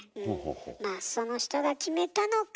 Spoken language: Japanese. まあその人が決めたのか